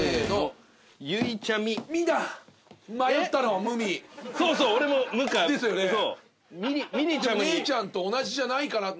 お姉ちゃんと同じじゃないかな。